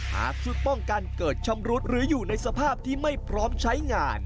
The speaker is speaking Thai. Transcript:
หากชุดป้องกันเกิดชำรุดหรืออยู่ในสภาพที่ไม่พร้อมใช้งาน